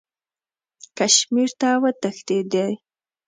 کشمیر ته وتښتېدی.